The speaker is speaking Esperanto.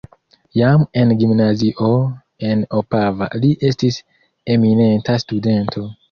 Jam en gimnazio en Opava li estis eminenta studento.